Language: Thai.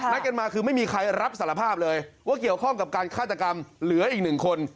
กันมาคือไม่มีใครรับสารภาพเลยว่าเกี่ยวข้องกับการฆาตกรรมเหลืออีกหนึ่งคน